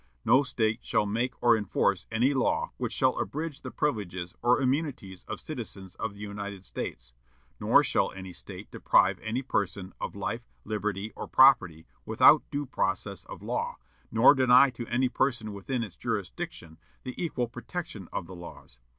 No State shall make or enforce any law which shall abridge the privileges or immunities of citizens of the United States; nor shall any State deprive any person of life, liberty, or property, without due process of law, nor deny to any person within its jurisdiction the equal protection of the laws....